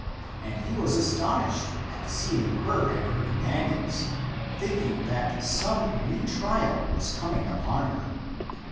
And he was astonished at seeing her and her companions, thinking that some new trial was coming upon her.